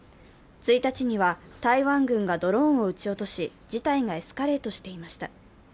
１日には、台湾軍がドローンを撃ち落とし、事態がエスカレートしていました。